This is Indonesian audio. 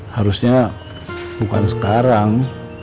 harusnya bukan sekarang